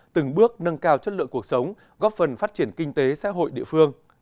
từng bước nâng cao chất lượng cuộc sống góp phần phát triển kinh tế xã hội địa phương